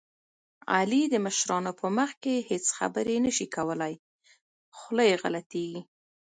علي د مشرانو په مخ کې هېڅ خبرې نه شي کولی، خوله یې غلطېږي.